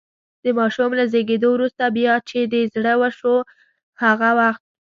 د ماشوم له زېږېدو وروسته، بیا چې دې زړه شو هغه وخت.